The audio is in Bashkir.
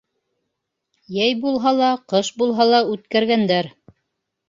Йәй булһа ла, ҡыш булһа ла үткәргәндәр.